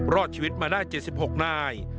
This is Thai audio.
รอดชีวิตมาได้๗๖นาย